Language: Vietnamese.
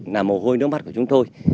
là mồ hôi nước mắt của chúng tôi